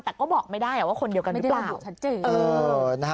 แต่ก็บอกไม่ได้ว่าคนเดียวกันหรือเปล่า